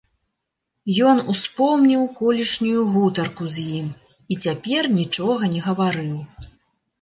Ён успомніў колішнюю гутарку з ім і цяпер нічога не гаварыў.